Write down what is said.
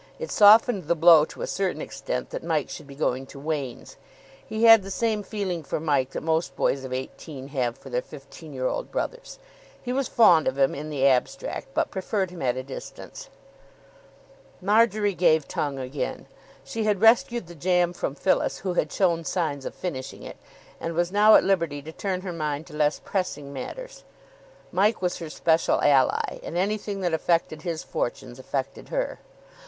It softened the blow to a certain extent that Mike should be going to Wain's. He had the same feeling for Mike that most boys of eighteen have for their fifteen year old brothers. He was fond of him in the abstract, but preferred him at a distance. Marjory gave tongue again. She had rescued the jam from Phyllis, who had shown signs of finishing it, and was now at liberty to turn her mind to less pressing matters. Mike was her special ally, and anything that affected his fortunes affected her.